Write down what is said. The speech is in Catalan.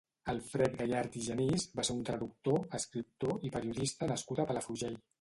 Alfred Gallard i Genís va ser un traductor, escriptor i periodista nascut a Palafrugell.